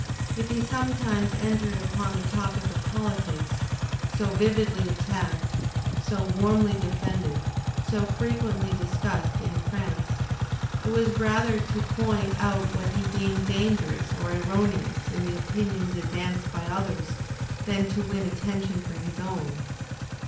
If he sometimes entered upon the topic of politics, so vividly attacked, so warmly defended, so frequently discussed in Prance, it was rather to point out what he deemed dangerous or erroneous in the opinions advanced by others than to win attention for his own.